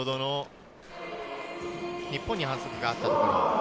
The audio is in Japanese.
日本に反則があったところ。